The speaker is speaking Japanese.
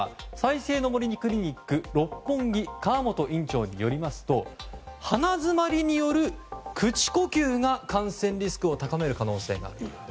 犀星の杜クリニック六本木の川本院長によりますと鼻詰まりによる口呼吸が感染リスクを高めるかもしれないと。